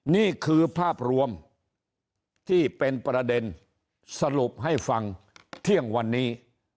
นี่คือภาพรวมที่เป็นประเด็นสรุปให้ฟังเที่ยงวันนี้